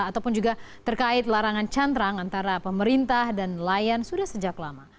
ataupun juga terkait larangan cantrang antara pemerintah dan nelayan sudah sejak lama